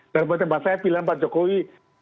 dan buat tempat saya pilihan pak jokowi